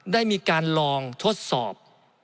ได้มีการลองทดสอบ